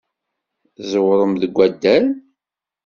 Tẓewremt deg waddal?